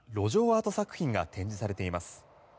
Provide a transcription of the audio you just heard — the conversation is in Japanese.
アート作品が展示されています。